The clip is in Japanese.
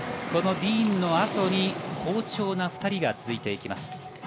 このディーンの後に好調な２人が続いていきます。